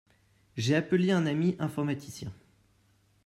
J'ai appelé un ami informaticien.